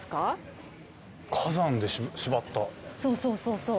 そうそうそうそう。